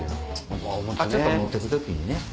ちょっと持って行く時にね。